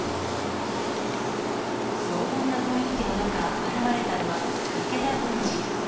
荘厳な雰囲気の中現れたのは、池田宮司。